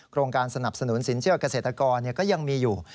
โครงการสนับสนุนสินเชื่อกเกษตรกรเนี่ยก็ยังมีอยู่